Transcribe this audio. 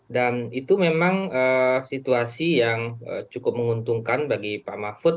dan itu memang situasi yang cukup menguntungkan bagi pak mahfud